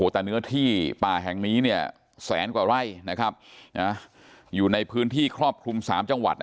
แต่เนื้อที่ป่าแห่งนี้เนี่ยแสนกว่าไร่อยู่ในพื้นที่ครอบคลุม๓จังหวัด